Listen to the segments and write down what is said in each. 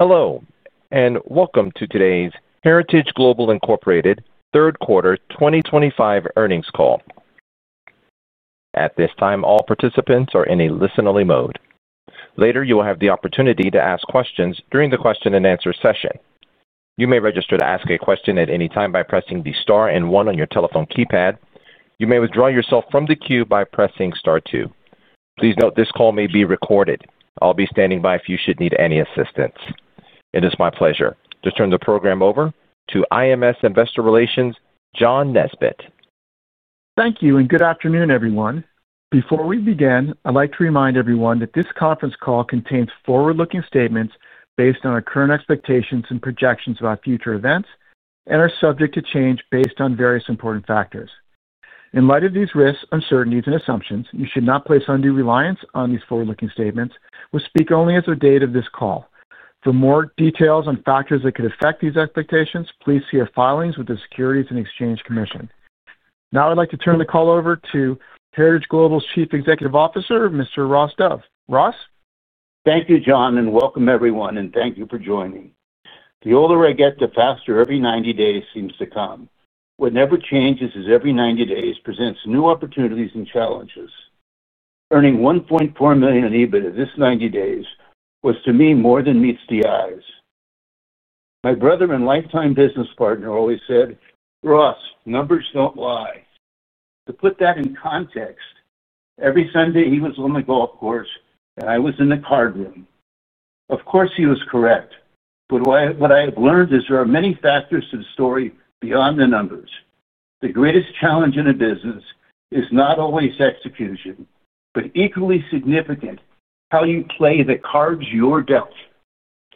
Hello, and welcome to today's Heritage Global Incorporated third quarter 2025 earnings call. At this time, all participants are in a listen-only mode. Later, you will have the opportunity to ask questions during the question-and-answer session. You may register to ask a question at any time by pressing the star and one on your telephone keypad. You may withdraw yourself from the queue by pressing star two. Please note this call may be recorded. I'll be standing by if you should need any assistance. It is my pleasure to turn the program over to IMS Investor Relations, John Nesbett. Thank you, and good afternoon, everyone. Before we begin, I'd like to remind everyone that this conference call contains forward-looking statements based on our current expectations and projections about future events and are subject to change based on various important factors. In light of these risks, uncertainties, and assumptions, you should not place undue reliance on these forward-looking statements. We speak only as of the date of this call. For more details on factors that could affect these expectations, please see our filings with the Securities and Exchange Commission. Now, I'd like to turn the call over to Heritage Global's Chief Executive Officer, Mr. Ross Dove. Ross? Thank you, John, and welcome, everyone, and thank you for joining. The older I get, the faster every 90 days seems to come. What never changes is every 90 days presents new opportunities and challenges. Earning $1.4 million in EBITDA this 90 days was, to me, more than meets the eyes. My brother and lifetime business partner always said, "Ross, numbers do not lie." To put that in context, every Sunday he was on the golf course, and I was in the card room. Of course, he was correct, but what I have learned is there are many factors to the story beyond the numbers. The greatest challenge in a business is not always execution, but equally significant is how you play the cards you are dealt.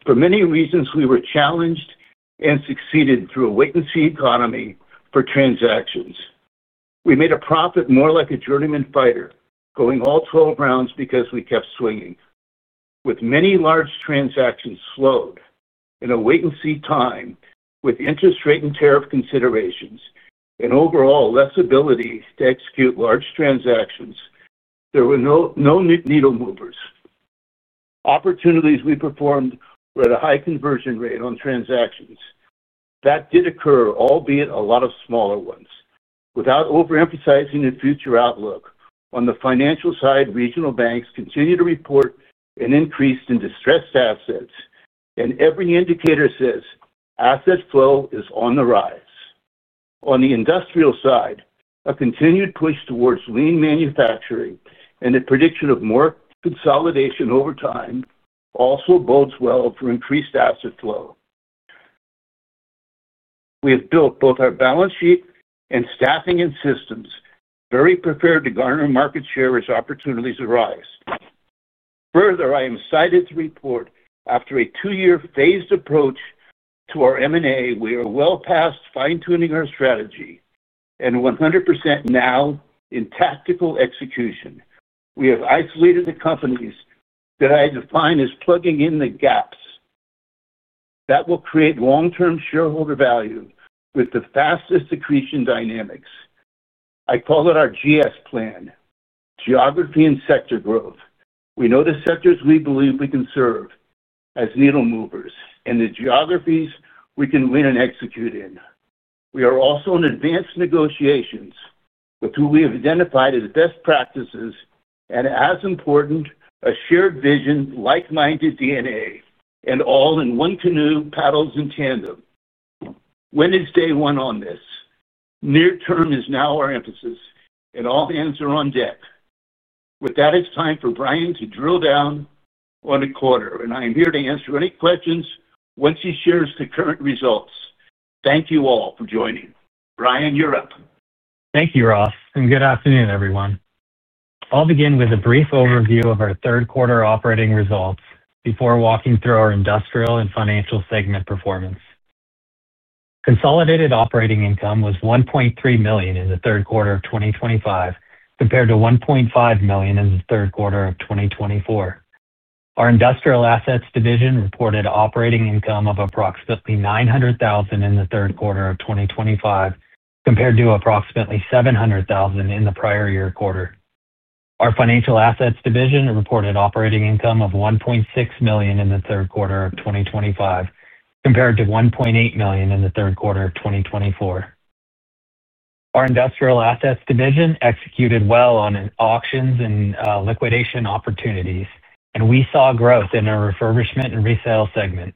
For many reasons, we were challenged and succeeded through a wait-and-see economy for transactions. We made a profit more like a journeyman fighter going all 12 rounds because we kept swinging. With many large transactions slowed in a wait-and-see time with interest rate and tariff considerations and overall less ability to execute large transactions, there were no needle movers. Opportunities we performed were at a high conversion rate on transactions that did occur, albeit a lot of smaller ones. Without overemphasizing the future outlook, on the financial side, regional banks continue to report an increase in distressed assets, and every indicator says asset flow is on the rise. On the industrial side, a continued push towards lean manufacturing and a prediction of more consolidation over time also bodes well for increased asset flow. We have built both our balance sheet and staffing and systems very prepared to garner market share as opportunities arise. Further, I am excited to report after a two-year phased approach to our M&A, we are well past fine-tuning our strategy and 100% now in tactical execution. We have isolated the companies that I define as plugging in the gaps. That will create long-term shareholder value with the fastest accretion dynamics. I call it our GS plan. Geography and sector growth. We know the sectors we believe we can serve as needle movers and the geographies we can win and execute in. We are also in advanced negotiations with who we have identified as best practices and, as important, a shared vision, like-minded DNA, and all in one canoe paddles in tandem. When is day one on this? Near term is now our emphasis, and all hands are on deck. With that, it's time for Brian to drill down. On the quarter, and I am here to answer any questions once he shares the current results. Thank you all for joining. Brian, you're up. Thank you, Ross, and good afternoon, everyone. I'll begin with a brief overview of our third quarter operating results before walking through our industrial and financial segment performance. Consolidated operating income was $1.3 million in the third quarter of 2025 compared to $1.5 million in the third quarter of 2024. Our industrial assets division reported operating income of approximately $900,000 in the third quarter of 2025 compared to approximately $700,000 in the prior year quarter. Our financial assets division reported operating income of $1.6 million in the third quarter of 2025 compared to $1.8 million in the third quarter of 2024. Our industrial assets division executed well on auctions and liquidation opportunities, and we saw growth in our refurbishment and resale segment.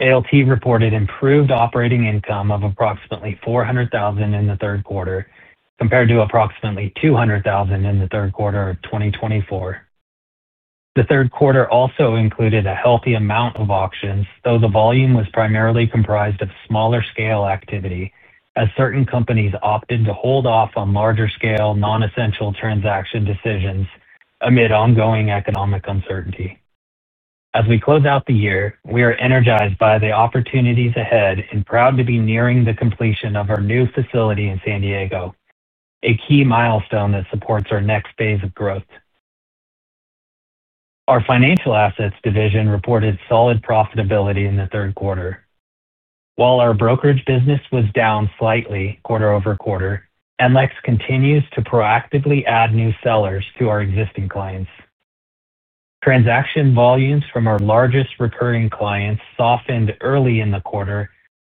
ALT reported improved operating income of approximately $400,000 in the third quarter compared to approximately $200,000 in the third quarter of 2024. The third quarter also included a healthy amount of auctions, though the volume was primarily comprised of smaller-scale activity as certain companies opted to hold off on larger-scale non-essential transaction decisions amid ongoing economic uncertainty. As we close out the year, we are energized by the opportunities ahead and proud to be nearing the completion of our new facility in San Diego, a key milestone that supports our next phase of growth. Our financial assets division reported solid profitability in the third quarter. While our brokerage business was down slightly quarter over quarter, NLEX continues to proactively add new sellers to our existing clients. Transaction volumes from our largest recurring clients softened early in the quarter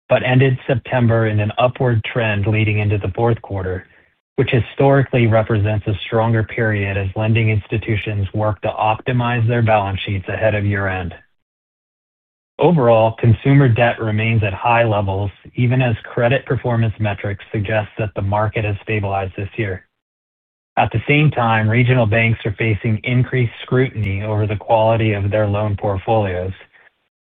but ended September in an upward trend leading into the fourth quarter, which historically represents a stronger period as lending institutions work to optimize their balance sheets ahead of year-end. Overall, consumer debt remains at high levels even as credit performance metrics suggest that the market has stabilized this year. At the same time, regional banks are facing increased scrutiny over the quality of their loan portfolios,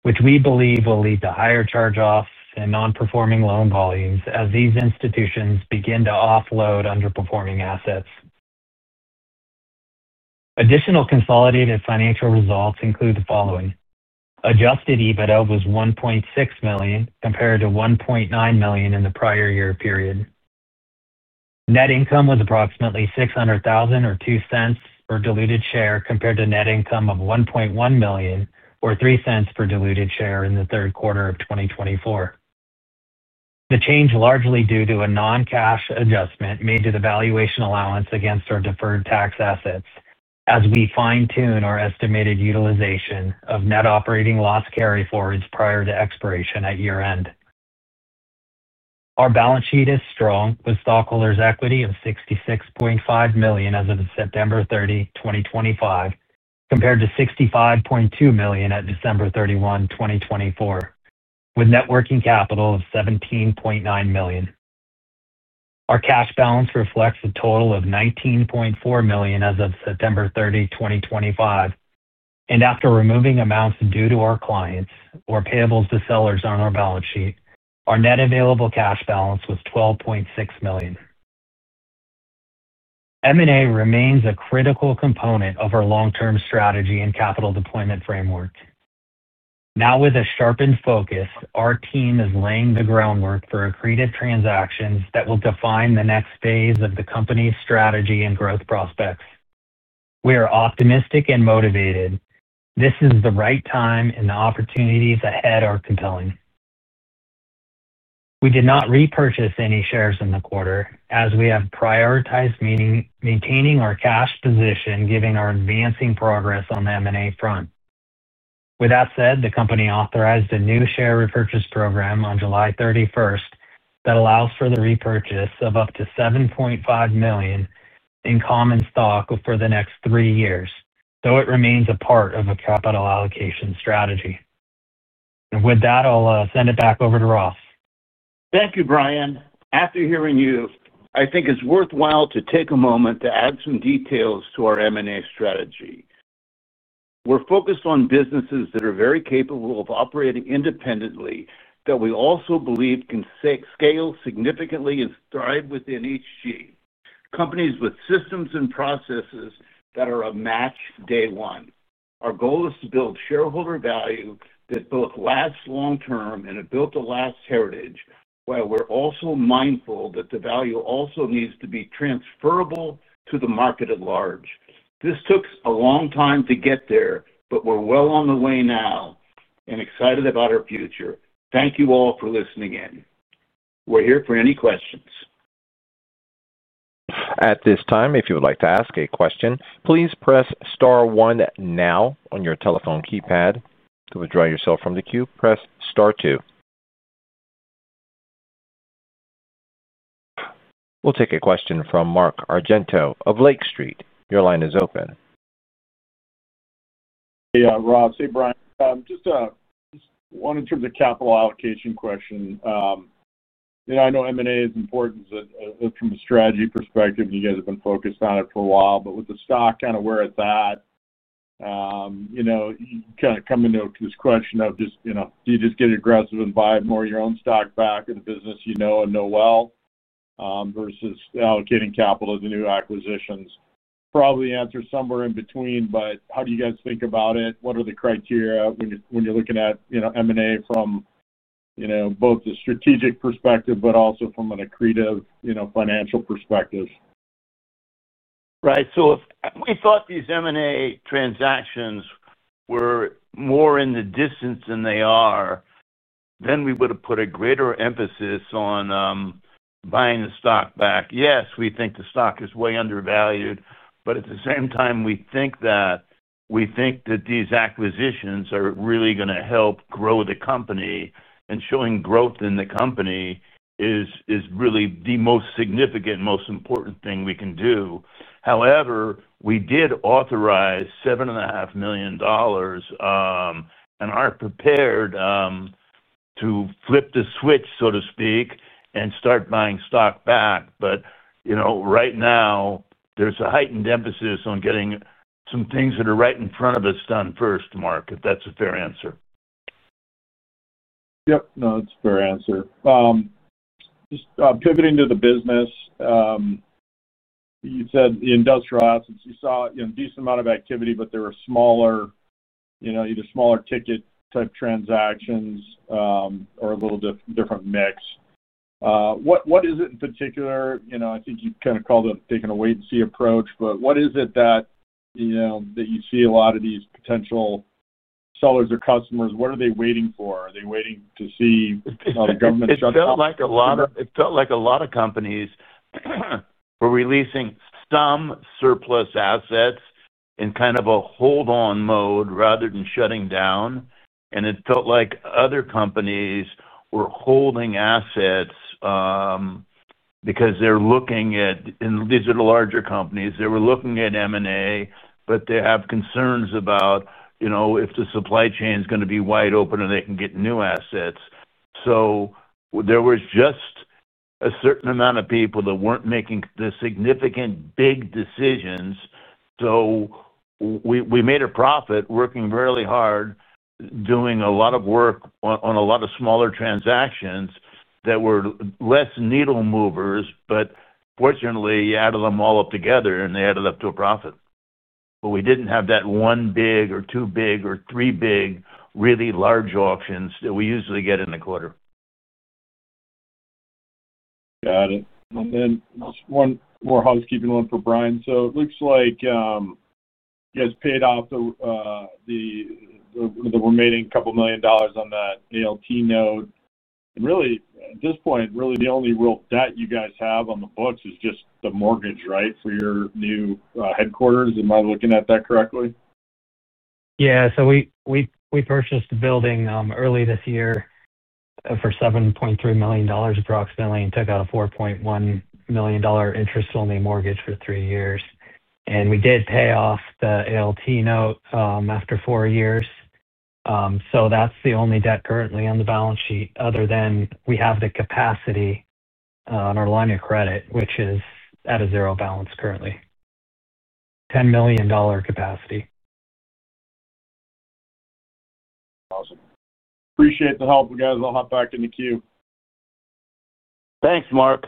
which we believe will lead to higher charge-offs and non-performing loan volumes as these institutions begin to offload underperforming assets. Additional consolidated financial results include the following. Adjusted EBITDA was $1.6 million compared to $1.9 million in the prior year period. Net income was approximately $600,000 or $0.02 per diluted share compared to net income of $1.1 million or $0.03 per diluted share in the third quarter of 2024. The change is largely due to a non-cash adjustment made to the valuation allowance against our deferred tax assets as we fine-tune our estimated utilization of net operating loss carryforwards prior to expiration at year-end. Our balance sheet is strong with stockholders' equity of $66.5 million as of September 30, 2025, compared to $65.2 million at December 31, 2024, with net working capital of $17.9 million. Our cash balance reflects a total of $19.4 million as of September 30, 2025. After removing amounts due to our clients or payables to sellers on our balance sheet, our net available cash balance was $12.6 million. M&A remains a critical component of our long-term strategy and capital deployment framework. Now, with a sharpened focus, our team is laying the groundwork for accretive transactions that will define the next phase of the company's strategy and growth prospects. We are optimistic and motivated. This is the right time, and the opportunities ahead are compelling. We did not repurchase any shares in the quarter as we have prioritized maintaining our cash position, given our advancing progress on the M&A front. With that said, the company authorized a new share repurchase program on July 31st that allows for the repurchase of up to $7.5 million in common stock for the next three years, though it remains a part of a capital allocation strategy. With that, I'll send it back over to Ross. Thank you, Brian. After hearing you, I think it's worthwhile to take a moment to add some details to our M&A strategy. We're focused on businesses that are very capable of operating independently that we also believe can scale significantly and thrive within each sheet. Companies with systems and processes that are a match day one. Our goal is to build shareholder value that both lasts long-term and has built a last heritage, while we're also mindful that the value also needs to be transferable to the market at large. This took a long time to get there, but we're well on the way now and excited about our future. Thank you all for listening in. We're here for any questions. At this time, if you would like to ask a question, please press star one now on your telephone keypad. To withdraw yourself from the queue, press star two. We'll take a question from Mark Argento of Lake Street. Your line is open. Hey, Ross. Hey, Brian. Just one in terms of capital allocation question. I know M&A is important from a strategy perspective, and you guys have been focused on it for a while, but with the stock, kind of where it's at. You kind of come into this question of just, do you just get aggressive and buy more of your own stock back in the business you know and know well versus allocating capital to new acquisitions? Probably the answer is somewhere in between, but how do you guys think about it? What are the criteria when you're looking at M&A from both the strategic perspective but also from an accretive financial perspective? Right. If we thought these M&A transactions were more in the distance than they are, then we would have put a greater emphasis on buying the stock back. Yes, we think the stock is way undervalued, but at the same time, we think that these acquisitions are really going to help grow the company, and showing growth in the company is really the most significant and most important thing we can do. However, we did authorize $7.5 million and are prepared to flip the switch, so to speak, and start buying stock back. Right now, there is a heightened emphasis on getting some things that are right in front of us done first, Mark, if that's a fair answer. Yep. No, that's a fair answer. Just pivoting to the business. You said the industrial assets, you saw a decent amount of activity, but they were smaller. Either smaller ticket type transactions or a little different mix. What is it in particular? I think you kind of called it taking a wait-and-see approach, but what is it that you see a lot of these potential sellers or customers? What are they waiting for? Are they waiting to see the government shut down? It felt like a lot of companies were releasing some surplus assets in kind of a hold-on mode rather than shutting down. It felt like other companies were holding assets because they're looking at, and these are the larger companies, they were looking at M&A, but they have concerns about if the supply chain is going to be wide open and they can get new assets. There was just a certain amount of people that weren't making the significant big decisions. We made a profit working really hard, doing a lot of work on a lot of smaller transactions that were less needle movers, but fortunately, you added them all up together and they added up to a profit. We did not have that one big or two big or three big really large auctions that we usually get in the quarter. Got it. And then just one more housekeeping one for Brian. It looks like you guys paid off the remaining couple million dollars on that ALT note. Really, at this point, the only real debt you guys have on the books is just the mortgage, right, for your new headquarters. Am I looking at that correctly? Yeah. So we purchased a building early this year for $7.3 million approximately and took out a $4.1 million interest-only mortgage for three years. We did pay off the ALT note after four years. That is the only debt currently on the balance sheet other than we have the capacity on our line of credit, which is at a zero balance currently. $10 million capacity. Awesome. Appreciate the help. You guys all hop back in the queue. Thanks, Mark.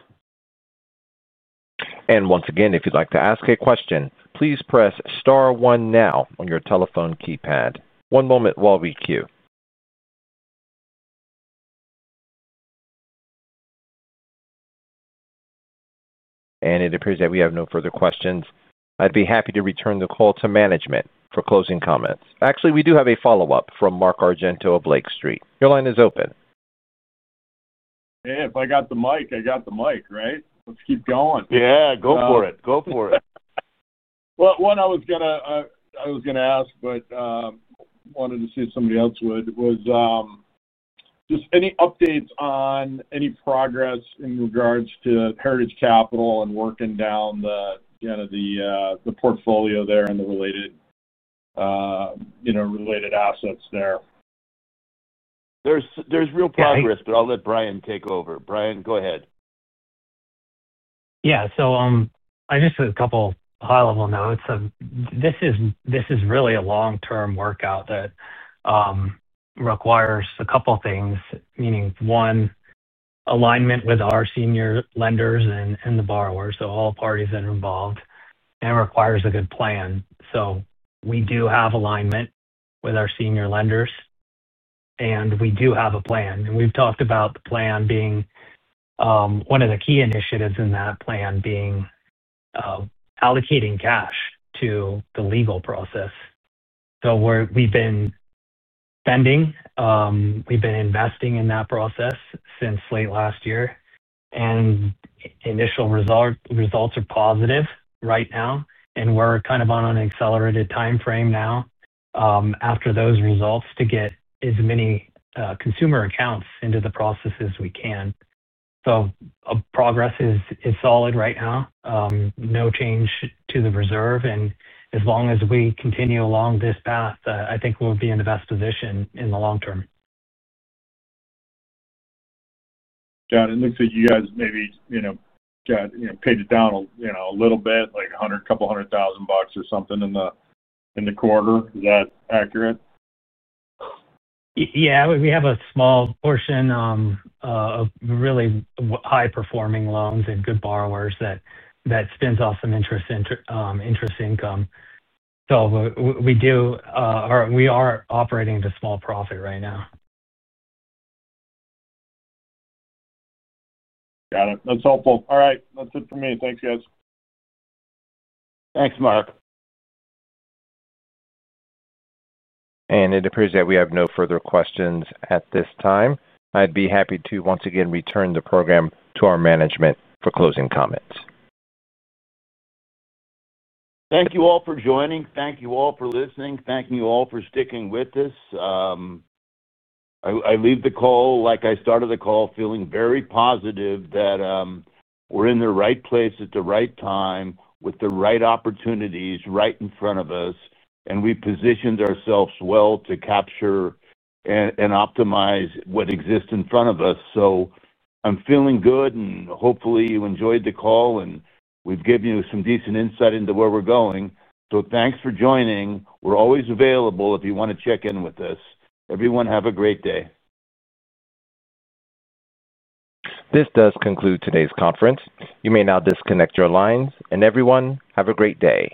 If you'd like to ask a question, please press star one now on your telephone keypad. One moment while we queue. It appears that we have no further questions. I'd be happy to return the call to management for closing comments. Actually, we do have a follow-up from Mark Argento of Lake Street. Your line is open. Yeah. If I got the mic, I got the mic, right? Let's keep going. Yeah. Go for it. One I was going to ask, but wanted to see if somebody else would, was just any updates on any progress in regards to Heritage Capital and working down the portfolio there and the related assets there? There's real progress, but I'll let Brian take over. Brian, go ahead. Yeah. I just have a couple high-level notes. This is really a long-term workout that requires a couple of things, meaning one, alignment with our senior lenders and the borrowers, so all parties that are involved, and requires a good plan. We do have alignment with our senior lenders. We do have a plan. We've talked about the plan being one of the key initiatives in that plan, being allocating cash to the legal process. We've been spending. We've been investing in that process since late last year. Initial results are positive right now. We're kind of on an accelerated timeframe now after those results to get as many consumer accounts into the process as we can. Progress is solid right now. No change to the reserve. As long as we continue along this path, I think we'll be in the best position in the long term. John, it looks like you guys maybe paid it down a little bit, like a couple hundred thousand bucks or something in the quarter. Is that accurate? Yeah. We have a small portion of really high-performing loans and good borrowers that spins off some interest income. So we are operating at a small profit right now. Got it. That's helpful. All right. That's it for me. Thanks, guys. Thanks, Mark. It appears that we have no further questions at this time. I'd be happy to, once again, return the program to our management for closing comments. Thank you all for joining. Thank you all for listening. Thank you all for sticking with us. I leave the call, like I started the call, feeling very positive that we're in the right place at the right time with the right opportunities right in front of us. We positioned ourselves well to capture and optimize what exists in front of us. I'm feeling good, and hopefully, you enjoyed the call, and we've given you some decent insight into where we're going. Thanks for joining. We're always available if you want to check in with us. Everyone, have a great day. This does conclude today's conference. You may now disconnect your lines. Everyone, have a great day.